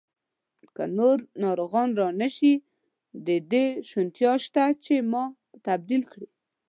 که نور ناروغان را نه شي، د دې شونتیا شته چې ما تبدیل کړي.